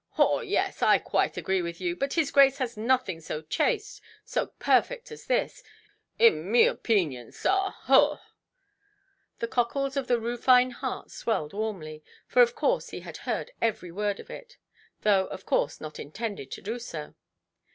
"Haw! Yes; I quite agree with you. But his Grace has nothing so chaste, so perfect as this, in me opeenion, sir. Haw"! The cockles of the Rufine heart swelled warmly; for of course he heard every word of it, though, of course, not intended to do so.